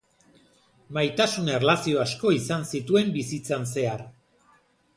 Maitasun erlazio asko izan zituen bizitzan zehar.